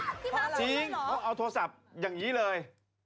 พี่มันจริงเขาเอาโทรศัพท์อย่างนี้เลย